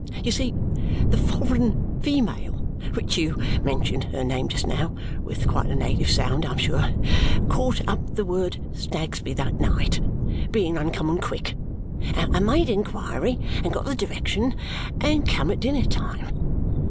You see, the foreign female which you mentioned her name just now, with quite a native sound I am sure caught up the word Snagsby that night, being uncommon quick, and made inquiry, and got the direction and come at dinner time.